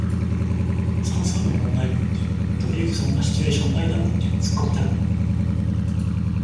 算数の問題文って時々そんなシチュエーションないだろってツッコミたくなる